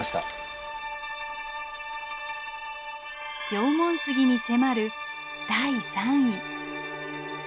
縄文杉に迫る第３位。